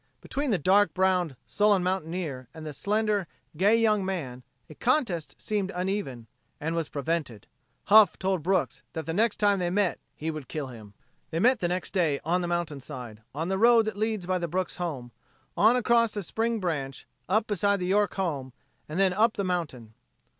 Between the dark browed, sullen mountaineer and the slender, gay young man a contest seemed uneven, and was prevented. Huff told Brooks that the next time they met he would kill him. They met next day, on the mountainside, on the road that leads by the Brooks home, on across the spring branch, up beside the York home and then up the mountain.